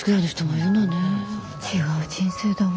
違う人生だわ。